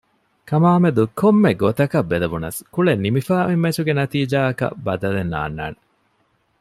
ކަމާމެދު ކޮންމެ ގޮތަކަށް ބެލެވުނަސް ކުޅެ ނިމިފައި އޮތް މެޗުގެ ނަތީޖާއަކަށް ބަދަލެއް ނާންނާނެ